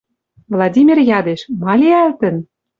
Владимир ядеш: «Ма лиӓлтӹн?» —